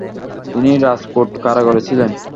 তিনি রাজকোট কারাগারে ছিলেন।